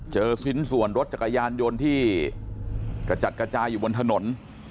ชิ้นส่วนรถจักรยานยนต์ที่กระจัดกระจายอยู่บนถนน